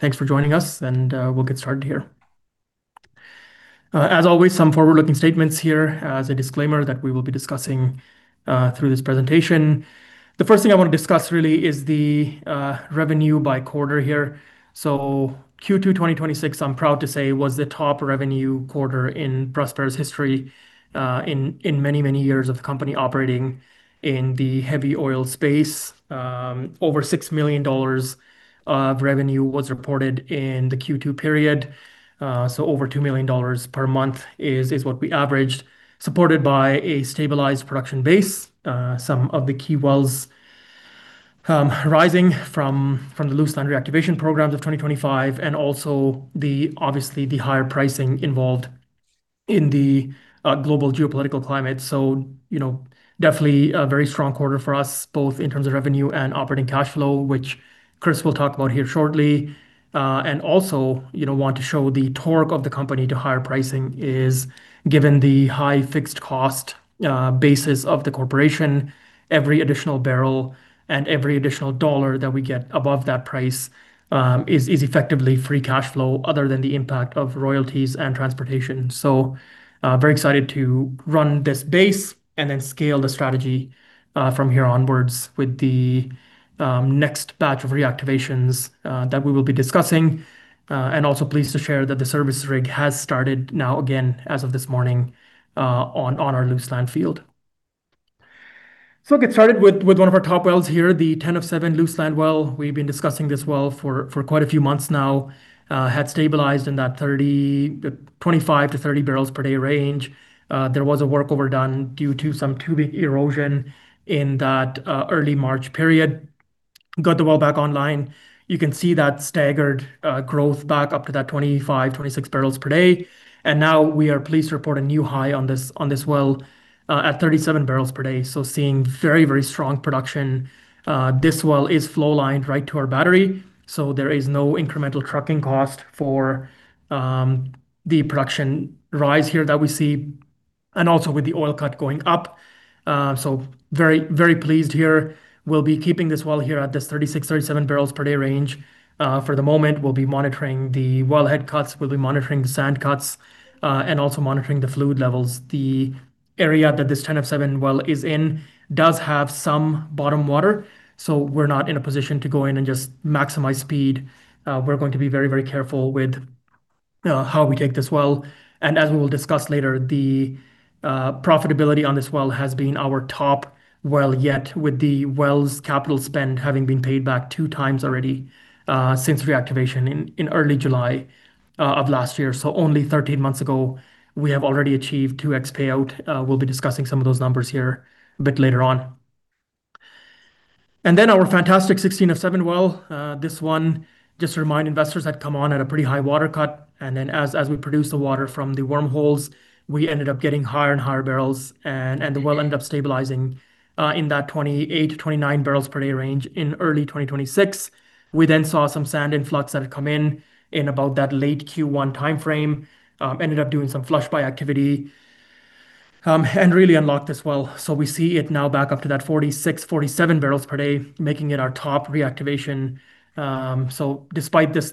Thanks for joining us, and we'll get started here. As always, some forward-looking statements here as a disclaimer that we will be discussing through this presentation. The first thing I want to discuss really is the revenue by quarter here. Q2 2026, I'm proud to say, was the top revenue quarter in Prospera's history in many, many years of the company operating in the heavy oil space. Over 6 million dollars of revenue was reported in the Q2 period. Over 2 million dollars per month is what we averaged, supported by a stabilized production base. Some of the key wells rising from the Luseland reactivation programs of 2025, and also obviously the higher pricing involved in the global geopolitical climate. Definitely a very strong quarter for us, both in terms of revenue and operating cash flow, which Chris will talk about here shortly. Also want to show the torque of the company to higher pricing is given the high fixed cost basis of the corporation. Every additional barrel and every additional dollar that we get above that price is effectively free cash flow other than the impact of royalties and transportation. Very excited to run this base and then scale the strategy from here onwards with the next batch of reactivations that we will be discussing. Also pleased to share that the service rig has started now again as of this morning on our Luseland field. I'll get started with one of our top wells here, the 10-07 Luseland well. We've been discussing this well for quite a few months now. Had stabilized in that 25 bbl-30 bbl per day range. There was a workover done due to some tubing erosion in that early March period. Got the well back online. You can see that staggered growth back up to that 25 bbl-26 bbl per day. Now we are pleased to report a new high on this well at 37 bbl per day. Seeing very strong production. This well is flowlined right to our battery, so there is no incremental trucking cost for the production rise here that we see, and also with the oil cut going up. Very pleased here. We'll be keeping this well here at this 36 bbl-37 bbl per day range for the moment. We'll be monitoring the wellhead cuts, we'll be monitoring the sand cuts, and also monitoring the fluid levels. The area that this 10-07 well is in does have some bottom water. We're not in a position to go in and just maximize speed. We're going to be very careful with how we take this well. As we will discuss later, the profitability on this well has been our top well yet, with the well's capital spend having been paid back 2x already since reactivation in early July of last year. Only 13 months ago, we have already achieved 2x payout. We'll be discussing some of those numbers here a bit later on. Then our fantastic 16-07 well. This one, just to remind investors, had come on at a pretty high water cut, then as we produced the water from the wormholes, we ended up getting higher and higher barrels, and the well ended up stabilizing in that 28 bbl-29 bbl per day range in early 2026. We saw some sand influx that had come in about that late Q1 timeframe. Ended up doing some flushby activity, really unlocked this well. We see it now back up to that 46 bbl, 47 bbl per day, making it our top reactivation. Despite this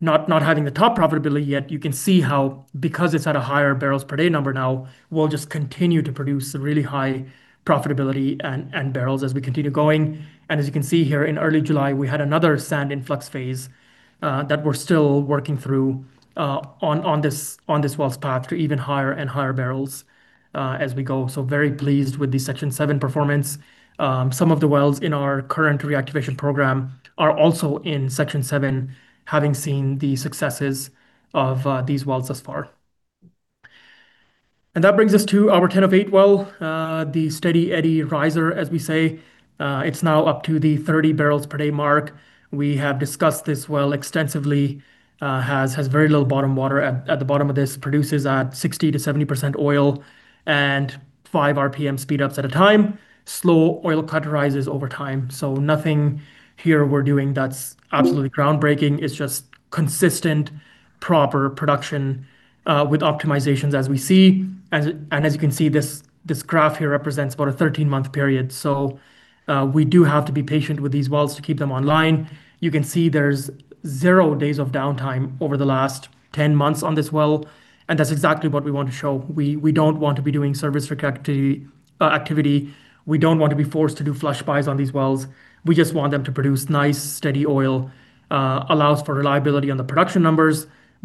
not having the top profitability yet, you can see how because it's at a higher barrels per day number now, we'll just continue to produce really high profitability and barrels as we continue going. As you can see here, in early July, we had another sand influx phase that we're still working through on this well's path to even higher and higher barrels as we go. Very pleased with the Section 7 performance. Some of the wells in our current reactivation program are also in Section 7, having seen the successes of these wells thus far. That brings us to our 10-08 well, the Steady Eddy riser, as we say. It's now up to the 30 bbl per day mark. We have discussed this well extensively. Has very little bottom water at the bottom of this. Produces at 60%-70% oil and five RPM speed-ups at a time. Slow oil cut rises over time. Nothing here we're doing that's absolutely groundbreaking. It's just consistent, proper production with optimizations as we see. As you can see, this graph here represents about a 13-month period. We do have to be patient with these wells to keep them online. You can see there's zero days of downtime over the last 10 months on this well, and that's exactly what we want to show. We don't want to be doing service rig activity. We don't want to be forced to do flushbys on these wells. We just want them to produce nice steady oil. Allows for reliability on the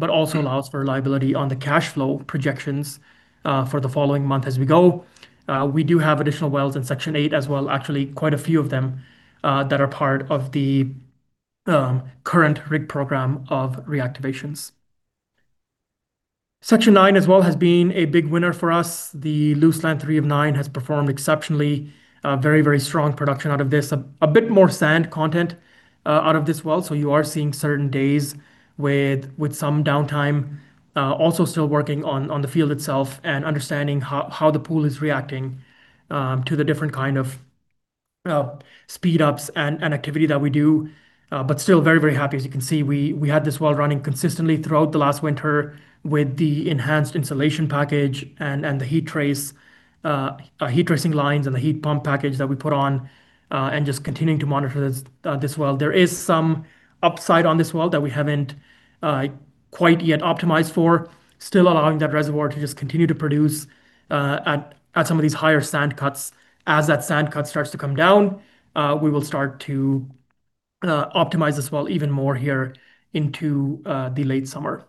production numbers, also allows for reliability on the cash flow projections for the following month as we go. We do have additional wells in section eight as well, actually, quite a few of them, that are part of the current rig program of reactivations. Section 9 as well has been a big winner for us. The Luseland 03-09 has performed exceptionally. Very strong production out of this. A bit more sand content out of this well. You are seeing certain days with some downtime. Also still working on the field itself and understanding how the pool is reacting to the different kind of speed ups and activity that we do. Still very happy. As you can see, we had this well running consistently throughout the last winter with the enhanced insulation package and the heat tracing lines and the heat pump package that we put on, just continuing to monitor this well. There is some upside on this well that we haven't quite yet optimized for, still allowing that reservoir to just continue to produce at some of these higher sand cuts. As that sand cut starts to come down, we will start to optimize this well even more here into the late summer.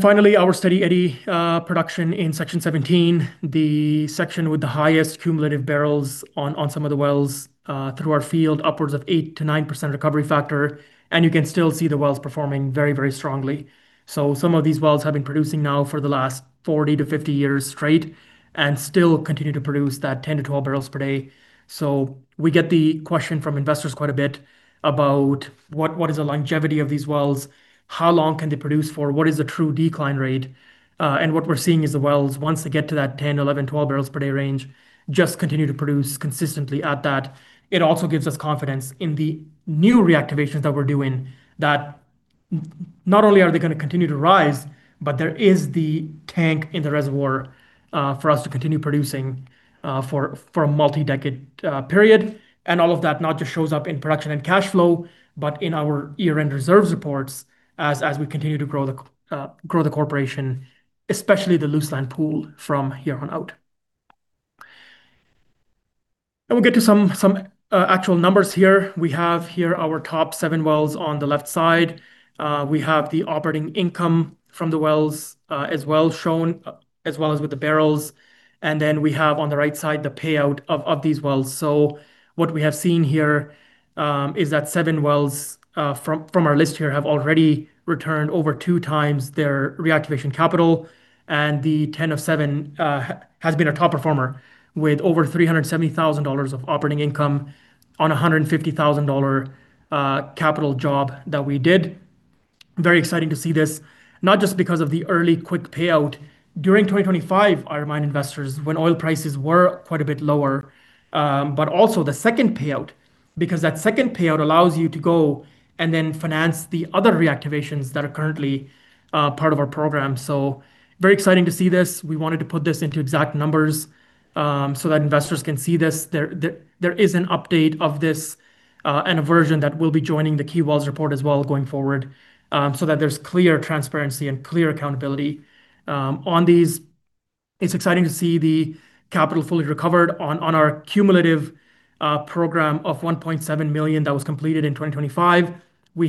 Finally, our Steady Eddy production in Section 17, the section with the highest cumulative barrels on some of the wells through our field, upwards of 8%-9% recovery factor, and you can still see the wells performing very, very strongly. Some of these wells have been producing now for the last 40-50 years straight and still continue to produce that 10 bbl-12 bbl per day. We get the question from investors quite a bit about what is the longevity of these wells? How long can they produce for, what is the true decline rate? What we're seeing is the wells, once they get to that 10 bbl, 11 bbl, 12 bbl per day range, just continue to produce consistently at that. It also gives us confidence in the new reactivations that we're doing, that not only are they going to continue to rise, but there is the tank in the reservoir for us to continue producing, for a multi-decade period. All of that not just shows up in production and cash flow, but in our year-end reserve reports as we continue to grow the corporation, especially the Luseland pool from here on out. We'll get to some actual numbers here. We have here our top seven wells on the left side. We have the operating income from the wells, as well shown, as well as with the barrels. Then we have on the right side the payout of these wells. What we have seen here is that seven wells from our list here have already returned over 2x their reactivation capital, and the 10-07 has been a top performer with over 370,000 dollars of operating income on 150,000 dollar capital job that we did. Very exciting to see this, not just because of the early quick payout. During 2025, I remind investors, when oil prices were quite a bit lower, also the second payout, because that second payout allows you to go and finance the other reactivations that are currently part of our program. Very exciting to see this. We wanted to put this into exact numbers, so that investors can see this. There is an update of this, and a version that will be joining the Key Wells Report as well going forward, so that there's clear transparency and clear accountability on these. It's exciting to see the capital fully recovered on our cumulative program of 1.7 million that was completed in 2025. Sorry,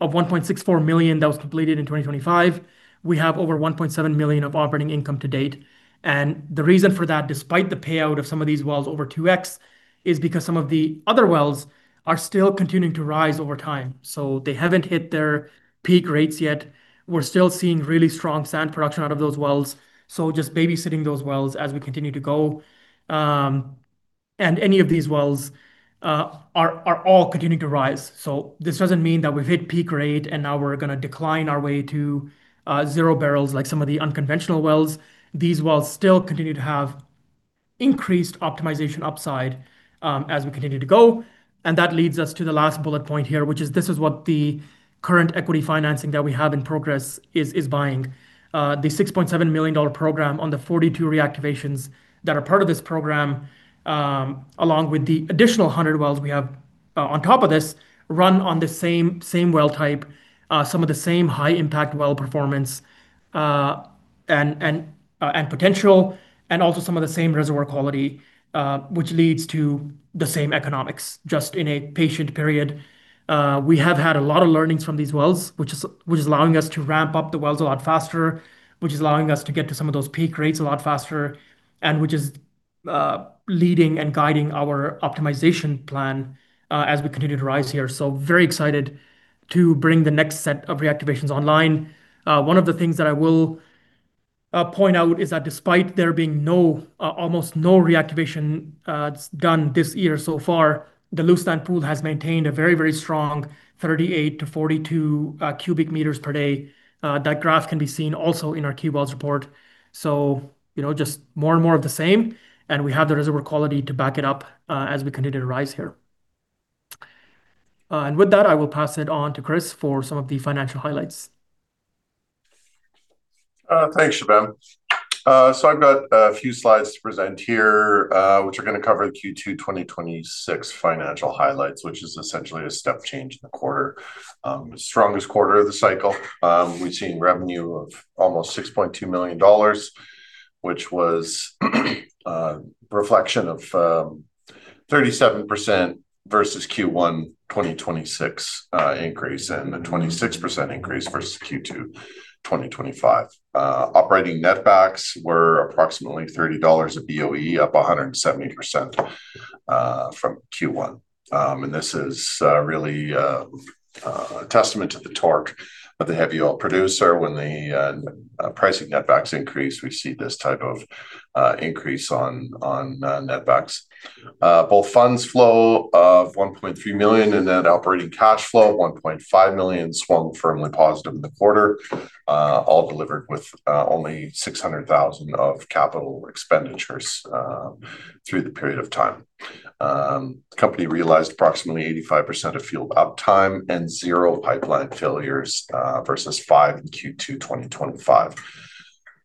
1.64 million that was completed in 2025. We have over 1.7 million of operating income to date. The reason for that, despite the payout of some of these wells over 2x, is because some of the other wells are still continuing to rise over time. They haven't hit their peak rates yet. We're still seeing really strong sand production out of those wells, just babysitting those wells as we continue to go. Any of these wells are all continuing to rise. This doesn't mean that we've hit peak rate and now we're going to decline our way to 0 bbl like some of the unconventional wells. These wells still continue to have increased optimization upside, as we continue to go. That leads us to the last bullet point here, which is this is what the current equity financing that we have in progress is buying. The 6.7 million dollar program on the 42 reactivations that are part of this program, along with the additional 100 wells we have on top of this, run on the same well type, some of the same high-impact well performance and potential, and also some of the same reservoir quality, which leads to the same economics, just in a patient period. We have had a lot of learnings from these wells, which is allowing us to ramp up the wells a lot faster, which is allowing us to get to some of those peak rates a lot faster, and which is leading and guiding our optimization plan, as we continue to rise here. Very excited to bring the next set of reactivations online. One of the things that I will point out is that despite there being almost no reactivation done this year so far, the Luseland pool has maintained a very, very strong 38 cu m-42 cu m per day. That graph can be seen also in our Key Wells Report. Just more and more of the same, and we have the reservoir quality to back it up, as we continue to rise here. With that, I will pass it on to Chris for some of the financial highlights. Thanks, Shubham. I've got a few slides to present here, which are going to cover the Q2 2026 financial highlights, which is essentially a step change in the quarter. The strongest quarter of the cycle. We've seen revenue of almost 6.2 million dollars, which was a reflection of 37% versus Q1 2026 increase and a 26% increase versus Q2 2025. Operating netbacks were approximately 30 dollars a BOE, up 170% from Q1. This is really a testament to the torque of the heavy oil producer. When the price of netbacks increase, we see this type of increase on netbacks. Both funds flow of 1.3 million and net operating cash flow of 1.5 million swung firmly positive in the quarter, all delivered with only 600,000 of capital expenditures through the period of time. The company realized approximately 85% of field uptime and zero pipeline failures, versus five in Q2 2025.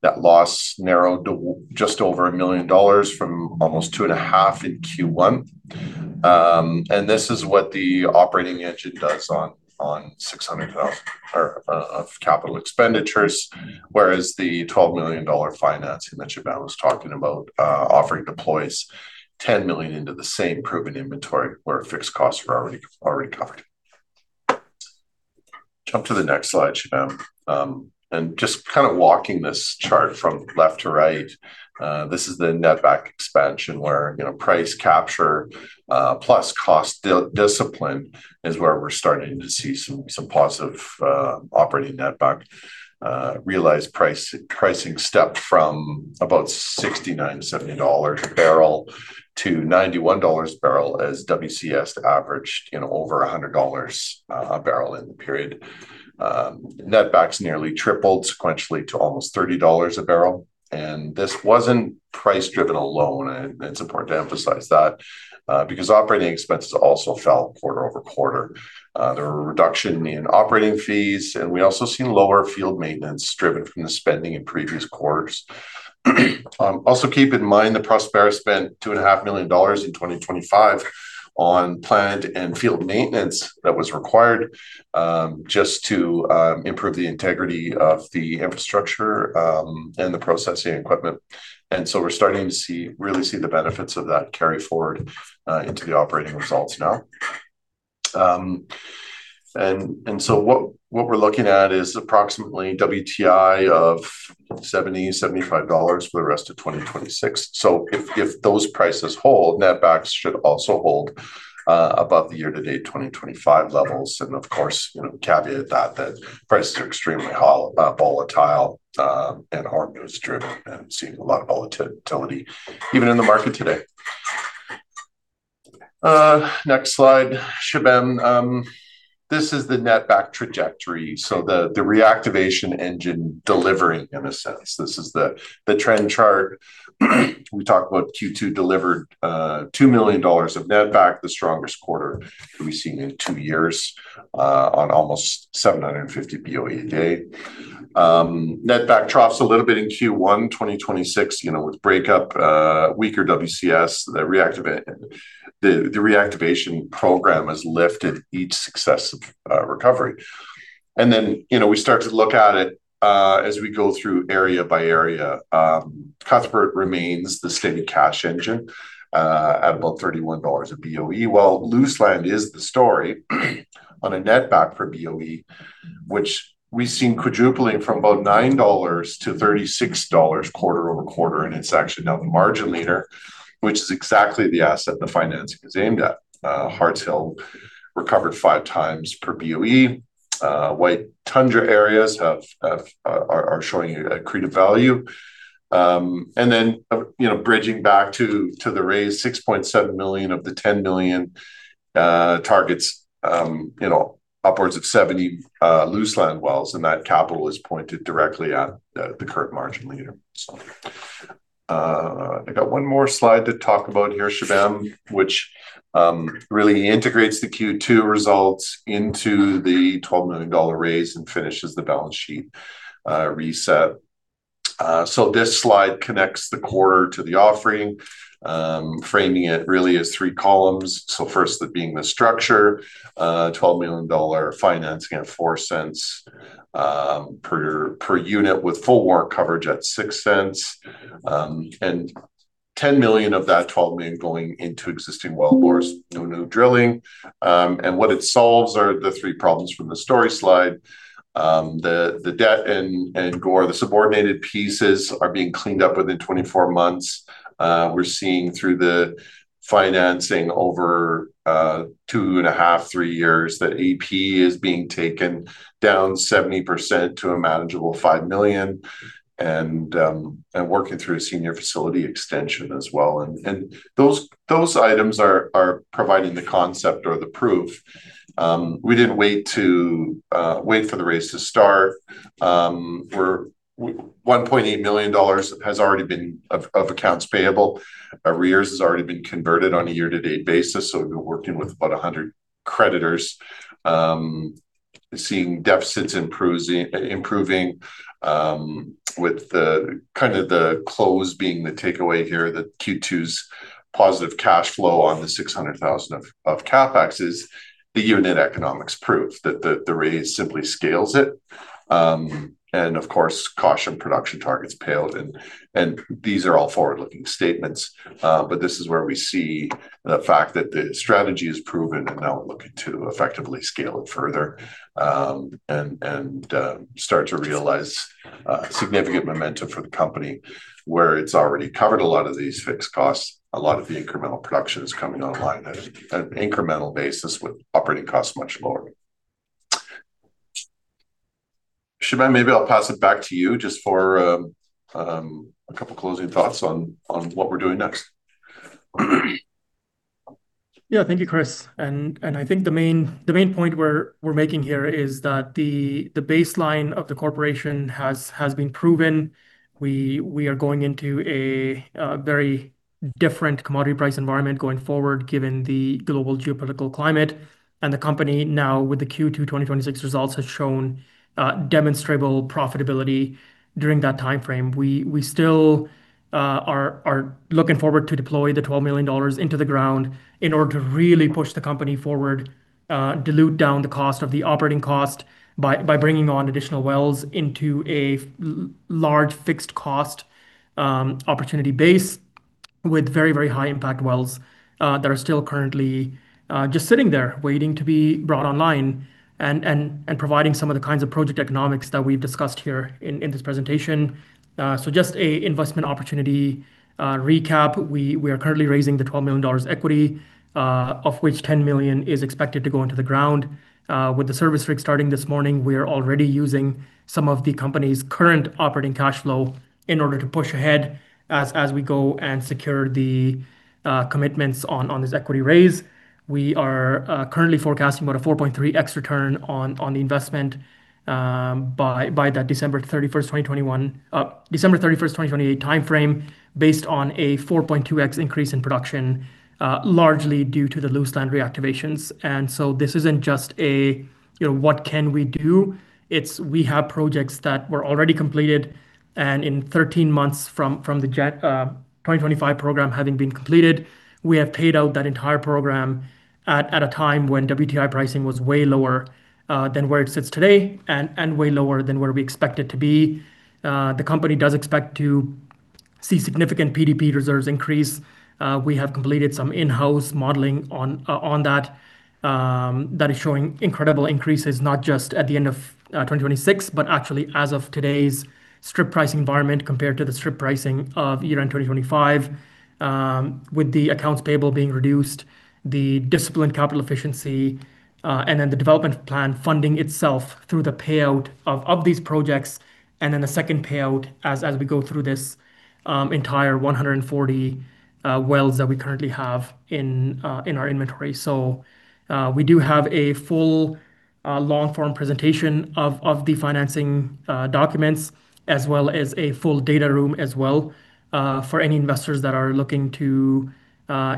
That loss narrowed to just over 1 million dollars from almost 2.5 million in Q1. This is what the operating engine does on 600,000 of capital expenditures, whereas the 12 million dollar financing that Shubham was talking about offering deploys 10 million into the same proven inventory where fixed costs are already covered. Jump to the next slide, Shubham. Just kind of walking this chart from left to right, this is the netback expansion where price capture plus cost discipline is where we're starting to see some positive operating netback. Realized pricing stepped from about CAD 69-CAD 70 a barrel to CAD 91 a barrel as WCS averaged over CAD 100 a barrel in the period. Netbacks nearly tripled sequentially to almost CAD 30 a barrel. This wasn't price-driven alone, and it's important to emphasize that, because operating expenses also fell quarter-over-quarter. There were a reduction in operating fees, and we also seen lower field maintenance driven from the spending in previous quarters. Also, keep in mind that Prospera spent 2.5 million dollars in 2025 on plant and field maintenance that was required, just to improve the integrity of the infrastructure, and the processing equipment. We're starting to really see the benefits of that carry forward into the operating results now. What we're looking at is approximately WTI of CAD 70, CAD 75 for the rest of 2026. If those prices hold, netbacks should also hold above the year-to-date 2025 levels. Of course, caveat that prices are extremely volatile and are news-driven and seeing a lot of volatility even in the market today. Next slide, Shubham. This is the netback trajectory, so the reactivation engine delivering in a sense. This is the trend chart. We talk about Q2 delivered 2 million dollars of netback, the strongest quarter that we've seen in two years, on almost 750 BOE a day. Netback troughs a little bit in Q1 2026, with breakup, weaker WCS. The reactivation program has lifted each successive recovery. We start to look at it, as we go through area by area. Cuthbert remains the steady cash engine, at about 31 dollars a BOE, while Luseland is the story on a netback per BOE, which we've seen quadrupling from about 9 dollars to 36 dollars quarter-over-quarter, and it's actually now the margin leader, which is exactly the asset the financing is aimed at. Hearts Hill recovered 5x per BOE. White Tundra areas are showing accreted value. Bridging back to the raise, 6.7 million of the 10 million targets upwards of 70 Luseland wells, and that capital is pointed directly at the current margin leader. I've got one more slide to talk about here, Shubham, which really integrates the Q2 results into the 12 million dollar raise and finishes the balance sheet reset. This slide connects the quarter to the offering, framing it really as three columns. First being the structure, 12 million dollar financing at 0.04 per unit with full warrant coverage at 0.06. 10 million of that 12 million going into existing wellbores, no new drilling. What it solves are the three problems from the story slide. The debt and GOR, the subordinated pieces are being cleaned up within 24 months. We're seeing through the financing over two and a half, three years, that AP is being taken down 70% to a manageable 5 million and working through a senior facility extension as well. Those items are providing the concept or the proof. We didn't wait for the race to start. 1.8 million dollars has already been of accounts payable. Arrears has already been converted on a year-to-date basis, so we've been working with about 100 creditors, seeing deficits improving, with the close being the takeaway here, that Q2's positive cash flow on the 600,000 of CapEx is the unit economics proof, that the raise simply scales it. Of course, caution production targets paled and these are all forward-looking statements. This is where we see the fact that the strategy is proven and now we're looking to effectively scale it further, and start to realize significant momentum for the company where it's already covered a lot of these fixed costs. A lot of the incremental production is coming online at an incremental basis with operating costs much lower. Shubham, maybe I'll pass it back to you just for a couple closing thoughts on what we're doing next. Thank you, Chris. I think the main point we're making here is that the baseline of the corporation has been proven. We are going into a very different commodity price environment going forward, given the global geopolitical climate. The company now with the Q2 2026 results has shown demonstrable profitability during that time frame. We still are looking forward to deploy the 12 million dollars into the ground in order to really push the company forward, dilute down the cost of the operating cost by bringing on additional wells into a large fixed-cost opportunity base with very high-impact wells that are still currently just sitting there waiting to be brought online, and providing some of the kinds of project economics that we've discussed here in this presentation. Just an investment opportunity recap. We are currently raising the 12 million dollars equity, of which 10 million is expected to go into the ground. With the service rig starting this morning, we are already using some of the company's current operating cash flow in order to push ahead as we go and secure the commitments on this equity raise. We are currently forecasting about a 4.3x return on the investment by that December 31st, 2028 time frame based on a 4.2x increase in production, largely due to the Luseland reactivations. This isn't just a what can we do? It's we have projects that were already completed. In 13 months from the 2025 program having been completed, we have paid out that entire program at a time when WTI pricing was way lower than where it sits today and way lower than where we expect it to be. The company does expect to see significant PDP reserves increase. We have completed some in-house modeling on that. That is showing incredible increases, not just at the end of 2026, but actually as of today's strip pricing environment compared to the strip pricing of year-end 2025. With the accounts payable being reduced, the disciplined capital efficiency, and the development plan funding itself through the payout of these projects, the second payout as we go through this entire 140 wells that we currently have in our inventory. We do have a full long-form presentation of the financing documents as well as a full data room as well for any investors that are looking to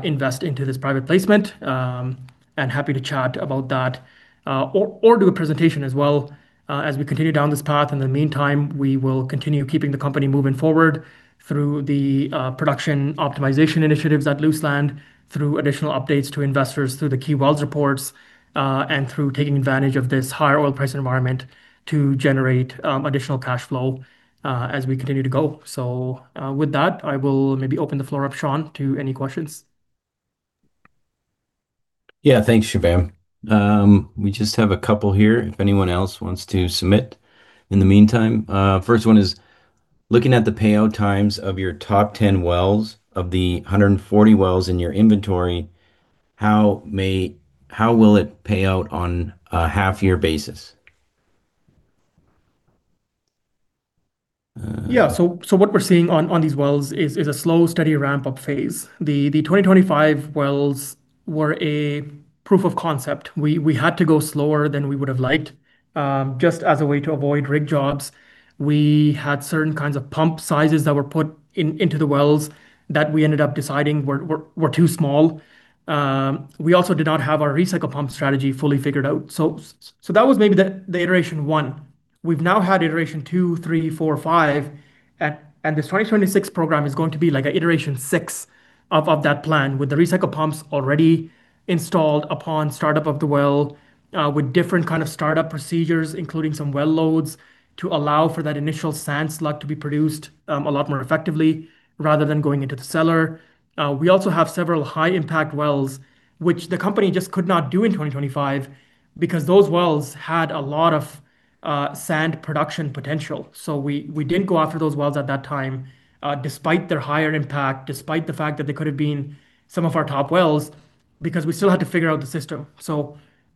invest into this private placement, and happy to chat about that or do a presentation as well as we continue down this path. In the meantime, we will continue keeping the company moving forward through the production optimization initiatives at Luseland, through additional updates to investors, through the Key Wells Reports, and through taking advantage of this higher oil price environment to generate additional cash flow as we continue to go. With that, I will maybe open the floor up, Shawn, to any questions. Yeah. Thanks, Shubham. We just have a couple here if anyone else wants to submit in the meantime. First one is, looking at the payout times of your top 10 wells of the 140 wells in your inventory, how will it pay out on a half-year basis? What we're seeing on these wells is a slow, steady ramp-up phase. The 2025 wells were a proof of concept. We had to go slower than we would've liked, just as a way to avoid rig jobs. We had certain kinds of pump sizes that were put into the wells that we ended up deciding were too small. We also did not have our recycle pump strategy fully figured out. That was maybe the iteration 1. We've now had iteration 2, 3, 4, 5, and this 2026 program is going to be like a iteration 6 of that plan with the recycle pumps already installed upon startup of the well, with different kind of startup procedures, including some well loads to allow for that initial sand slug to be produced a lot more effectively rather than going into the cellar. We also have several high-impact wells, which the company just could not do in 2025 because those wells had a lot of sand production potential. We didn't go after those wells at that time, despite their higher impact, despite the fact that they could have been some of our top wells because we still had to figure out the system.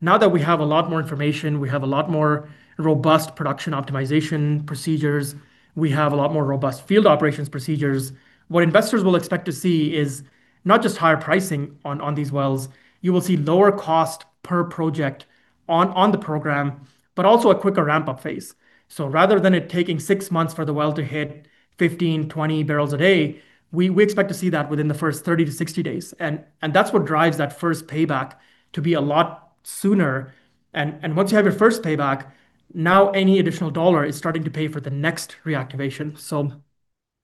Now that we have a lot more information, we have a lot more robust production optimization procedures. We have a lot more robust field operations procedures. What investors will expect to see is not just higher pricing on these wells. You will see lower cost per project on the program, but also a quicker ramp-up phase. Rather than it taking six months for the well to hit 15 bbl, 20 bbl a day, we expect to see that within the first 30-60 days. That's what drives that first payback to be a lot sooner. Once you have your first payback, now any additional dollar is starting to pay for the next reactivation.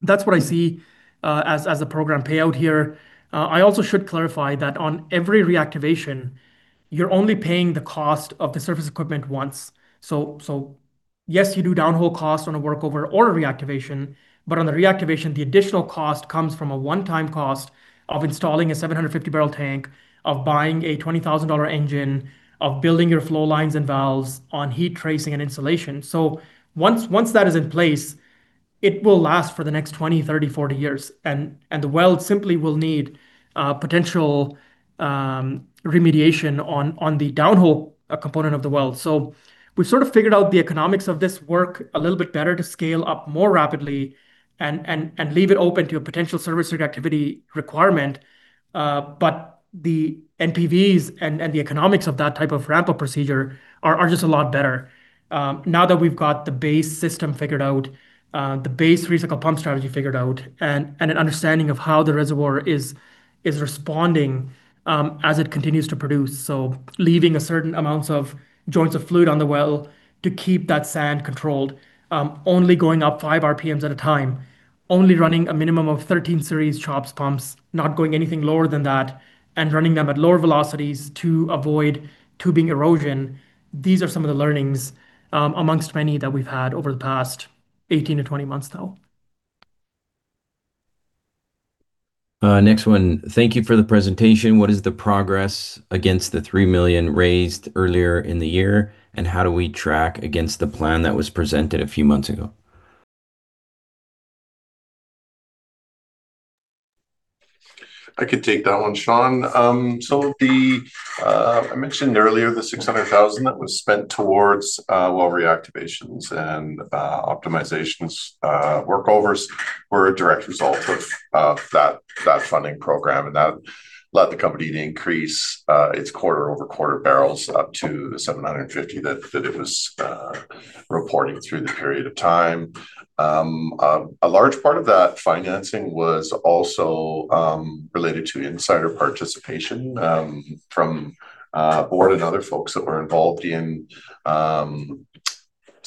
That's what I see as a program payout here. I also should clarify that on every reactivation, you're only paying the cost of the surface equipment once. Yes, you do downhole costs on a workover or a reactivation, but on the reactivation, the additional cost comes from a one-time cost of installing a 750 bbl tank, of buying a 20,000 dollar engine, of building your flowlines and valves on heat tracing and insulation. Once that is in place It will last for the next 20, 30, 40 years, and the well simply will need potential remediation on the downhole component of the well. We've sort of figured out the economics of this work a little bit better to scale up more rapidly and leave it open to a potential service or activity requirement. The NPVs and the economics of that type of ramp-up procedure are just a lot better. Now that we've got the base system figured out, the base recycle pump strategy figured out, and an understanding of how the reservoir is responding as it continues to produce. Leaving a certain amount of joints of fluid on the well to keep that sand controlled, only going up five RPMs at a time, only running a minimum of 13-series CHOPS pumps, not going anything lower than that, and running them at lower velocities to avoid tubing erosion. These are some of the learnings amongst many that we've had over the past 18-20 months now. Next one. Thank you for the presentation. What is the progress against the 3 million raised earlier in the year, and how do we track against the plan that was presented a few months ago? I could take that one, Shawn. I mentioned earlier the 600,000 that was spent towards well reactivations and optimizations workovers were a direct result of that funding program, and that let the company increase its quarter-over-quarter barrels up to the 750 bbl that it was reporting through the period of time. A large part of that financing was also related to insider participation from Board and other folks that were involved in,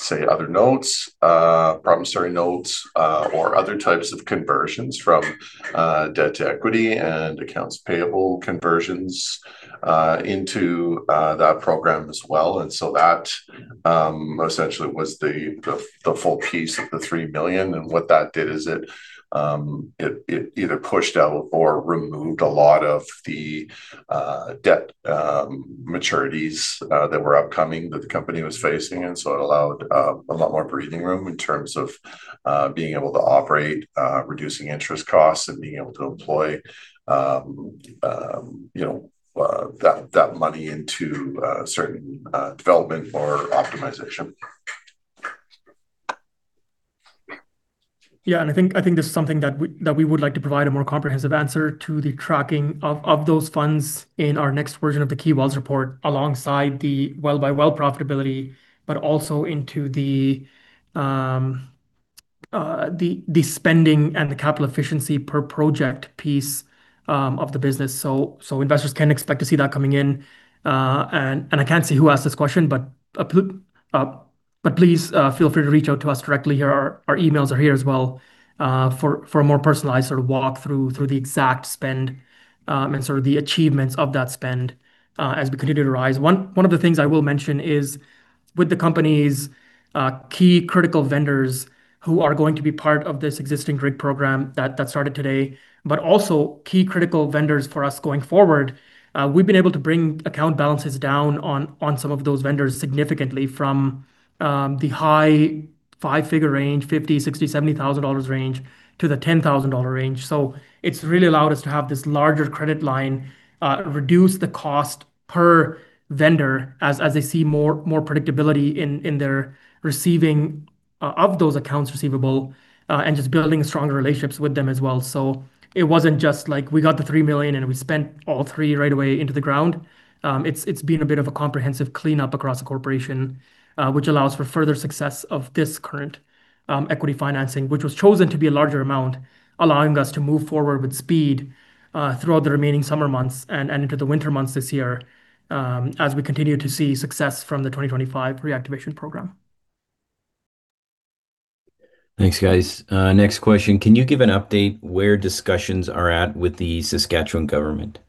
say, other notes, promissory notes, or other types of conversions from debt-to-equity and accounts payable conversions into that program as well. That essentially was the full piece of the 3 million. What that did is it either pushed out or removed a lot of the debt maturities that were upcoming that the company was facing. It allowed a lot more breathing room in terms of being able to operate, reducing interest costs, and being able to employ that money into certain development or optimization. I think this is something that we would like to provide a more comprehensive answer to the tracking of those funds in our next version of the Key Wells Report, alongside the well-by-well profitability, but also into the spending and the capital efficiency per project piece of the business. Investors can expect to see that coming in. I can't see who asked this question, but please feel free to reach out to us directly here. Our emails are here as well for a more personalized sort of walkthrough through the exact spend, and sort of the achievements of that spend as we continue to rise. One of the things I will mention is with the company's key critical vendors who are going to be part of this existing rig program that started today, but also key critical vendors for us going forward. We've been able to bring account balances down on some of those vendors significantly from the high five-figure range, 50,000, 60,000 dollars, 70,000 dollars range, to the 10,000 dollar range. It's really allowed us to have this larger credit line, reduce the cost per vendor as they see more predictability in their receiving of those accounts receivable, and just building stronger relationships with them as well. It wasn't just like we got the 3 million, and we spent all three right away into the ground. It's been a bit of a comprehensive cleanup across the corporation, which allows for further success of this current equity financing, which was chosen to be a larger amount, allowing us to move forward with speed throughout the remaining summer months and into the winter months this year, as we continue to see success from the 2025 reactivation program. Thanks, guys. Next question. Can you give an update where discussions are at with the Saskatchewan government?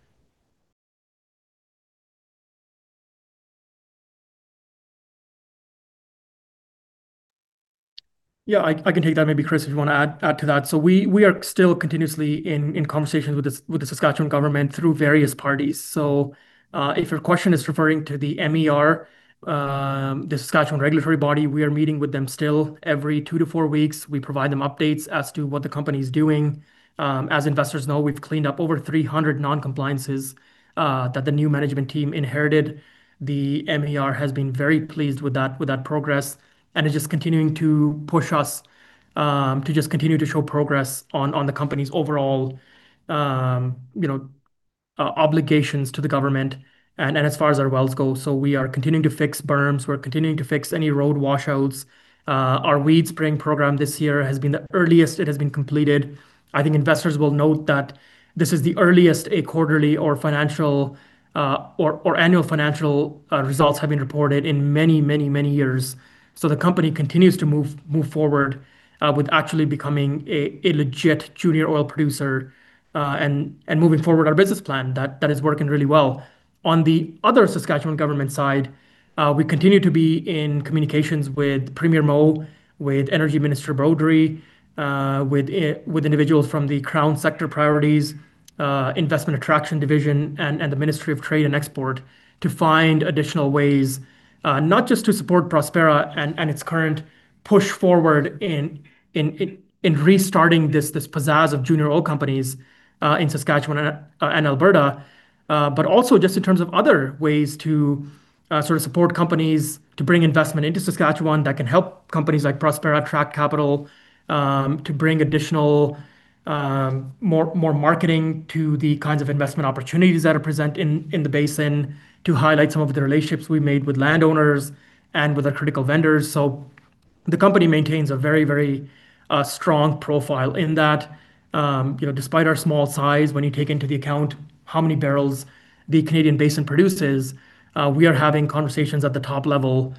Yeah, I can take that. Maybe Chris, if you want to add to that. We are still continuously in conversations with the Saskatchewan government through various parties. If your question is referring to the MER, the Saskatchewan regulatory body, we are meeting with them still every two to four weeks. We provide them updates as to what the company's doing. As investors know, we've cleaned up over 300 non-compliances that the new management team inherited. The MER has been very pleased with that progress, and is just continuing to push us to show progress on the company's overall obligations to the government and as far as our wells go. We are continuing to fix berms. We're continuing to fix any road washouts. Our weed spraying program this year has been the earliest it has been completed. I think investors will note that this is the earliest a quarterly or annual financial results have been reported in many years. The company continues to move forward with actually becoming a legit junior oil producer, and moving forward our business plan. That is working really well. On the other Saskatchewan government side, we continue to be in communications with Premier Moe, with Energy Minister Beaudry, with individuals from the Crown Sector Priorities, Investment Attraction Division, and the Ministry of Trade and Export to find additional ways, not just to support Prospera and its current push forward in restarting this pizzazz of junior oil companies in Saskatchewan and Alberta. Also just in terms of other ways to sort of support companies to bring investment into Saskatchewan that can help companies like Prospera attract capital, to bring additional more marketing to the kinds of investment opportunities that are present in the basin, to highlight some of the relationships we've made with landowners and with our critical vendors. The company maintains a very strong profile in that, despite our small size, when you take into account how many barrels the Canadian basin produces, we are having conversations at the top level,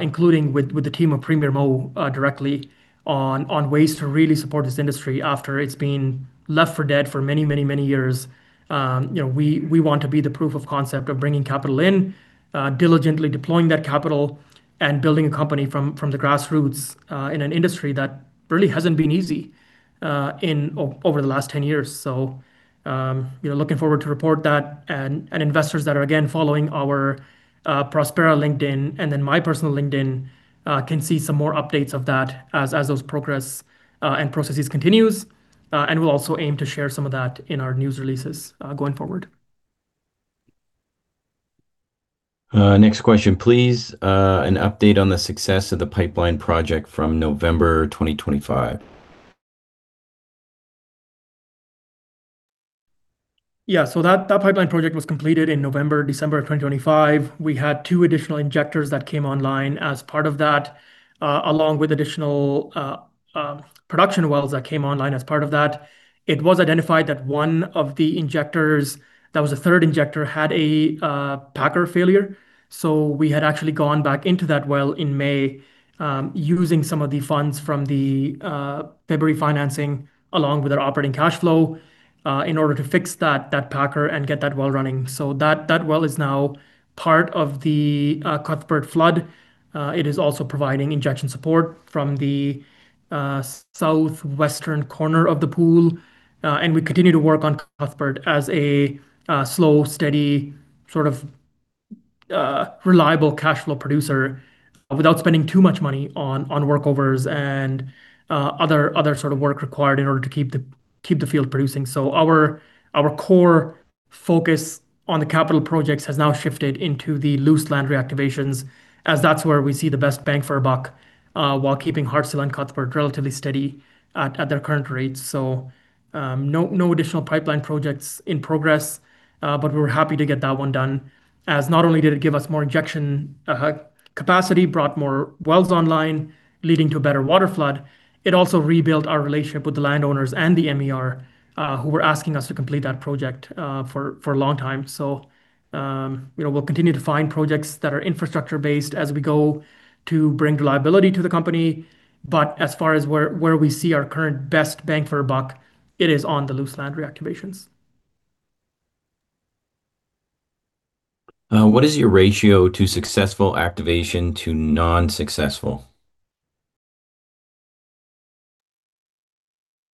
including with the team of Premier Moe directly on ways to really support this industry after it's been left for dead for many years. We want to be the proof of concept of bringing capital in, diligently deploying that capital, and building a company from the grassroots in an industry that really hasn't been easy over the last 10 years. Looking forward to report that, and investors that are again following our Prospera LinkedIn and then my personal LinkedIn can see some more updates of that as those progress and processes continues. We'll also aim to share some of that in our news releases going forward. Next question, please. An update on the success of the pipeline project from November 2025. Yeah. That pipeline project was completed in November, December of 2025. We had two additional injectors that came online as part of that, along with additional production wells that came online as part of that. It was identified that one of the injectors, that was the third injector, had a packer failure. We had actually gone back into that well in May, using some of the funds from the February financing, along with our operating cash flow, in order to fix that packer and get that well running. That well is now part of the Cuthbert flood. It is also providing injection support from the southwestern corner of the pool, and we continue to work on Cuthbert as a slow, steady, sort of reliable cash flow producer without spending too much money on workovers and other sort of work required in order to keep the field producing. Our core focus on the capital projects has now shifted into the Luseland reactivations, as that's where we see the best bang for our buck, while keeping Hearts Hill and Cuthbert relatively steady at their current rates. No additional pipeline projects in progress. We were happy to get that one done, as not only did it give us more injection capacity, brought more wells online, leading to a better waterflood, it also rebuilt our relationship with the landowners and the MER, who were asking us to complete that project for a long time. We'll continue to find projects that are infrastructure-based as we go to bring reliability to the company. As far as where we see our current best bang for our buck, it is on the Luseland reactivations. What is your ratio to successful activation to non-successful?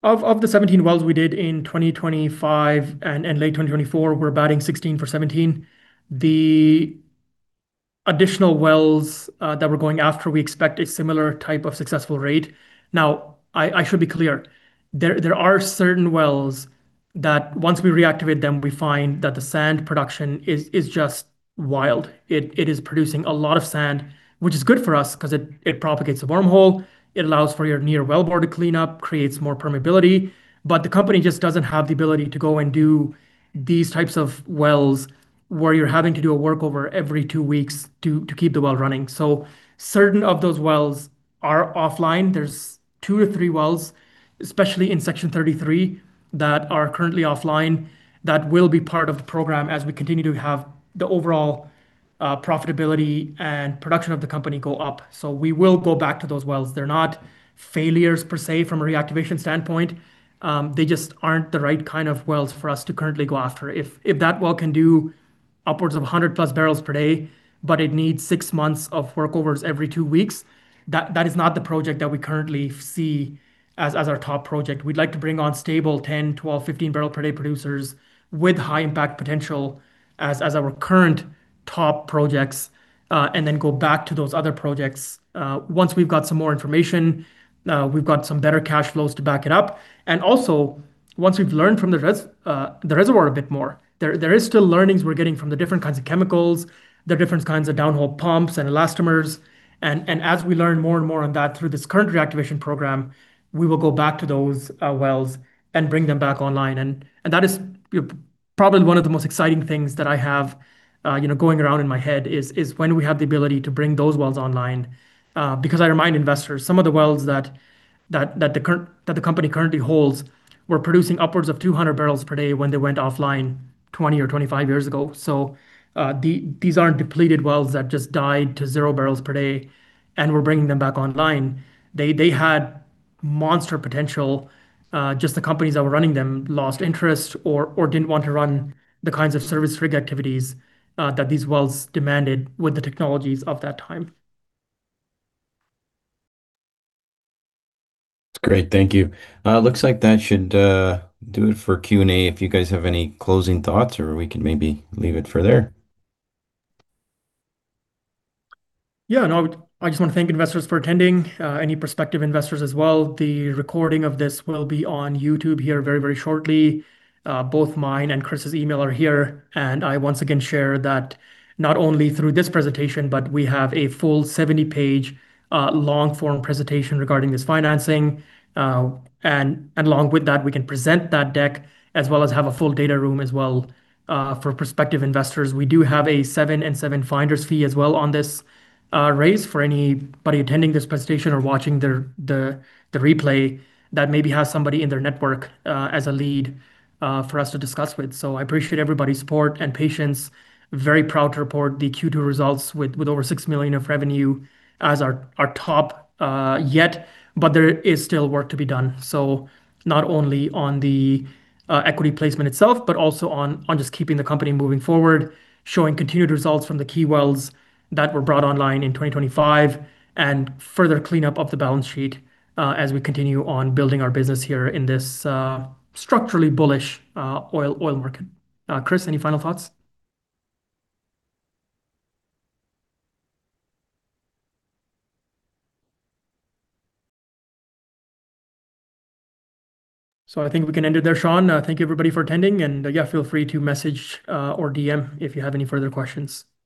Of the 17 wells we did in 2025 and late 2024, we're batting 16 for 17. The additional wells that we're going after, we expect a similar type of successful rate. I should be clear, there are certain wells that once we reactivate them, we find that the sand production is just wild. It is producing a lot of sand, which is good for us because it propagates a wormhole. It allows for your near wellbore to clean up, creates more permeability. The company just doesn't have the ability to go and do these types of wells where you're having to do a workover every two weeks to keep the well running. Certain of those wells are offline. There's two or three wells, especially in Section 33, that are currently offline that will be part of the program as we continue to have the overall profitability and production of the company go up. We will go back to those wells. They're not failures per se from a reactivation standpoint. They just aren't the right kind of wells for us to currently go after. If that well can do upwards of 100+ bbl per day, but it needs six months of workovers every two weeks, that is not the project that we currently see as our top project. We'd like to bring on stable 10 bbl, 12 bbl, 15 bbl per day producers with high impact potential as our current top projects and then go back to those other projects. Once we've got some more information, we've got some better cash flows to back it up, and also once we've learned from the reservoir a bit more. There is still learnings we're getting from the different kinds of chemicals, the different kinds of downhole pumps and elastomers. As we learn more and more on that through this current reactivation program, we will go back to those wells and bring them back online. That is probably one of the most exciting things that I have going around in my head, is when we have the ability to bring those wells online. I remind investors, some of the wells that the company currently holds were producing upwards of 200 bbl per day when they went offline 20 or 25 years ago. These aren't depleted wells that just died to 0 bbl per day, and we're bringing them back online. They had monster potential, just the companies that were running them lost interest or didn't want to run the kinds of service rig activities that these wells demanded with the technologies of that time. That's great. Thank you. Looks like that should do it for Q&A. If you guys have any closing thoughts or we can maybe leave it for there. Yeah, no, I just want to thank investors for attending, any prospective investors as well. The recording of this will be on YouTube here very shortly. Both mine and Chris's email are here, I once again share that not only through this presentation, but we have a full 70-page long form presentation regarding this financing. Along with that, we can present that deck as well as have a full data room as well for prospective investors. We do have a 7% and 7% finder's fee as well on this raise for anybody attending this presentation or watching the replay that maybe has somebody in their network as a lead for us to discuss with. I appreciate everybody's support and patience. Very proud to report the Q2 results with over 6 million of revenue as our top yet, but there is still work to be done. Not only on the equity placement itself, but also on just keeping the company moving forward, showing continued results from the key wells that were brought online in 2025, and further cleanup of the balance sheet as we continue on building our business here in this structurally bullish oil market. Chris, any final thoughts? I think we can end it there, Shawn. Thank you everybody for attending, yeah, feel free to message or DM if you have any further questions. Thank you.